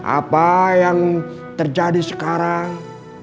apa yang terjadi sekarang